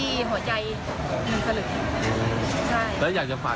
ตอนนี้เท่ากันก็มีภาพหลักฐานจากกล้องวงจักร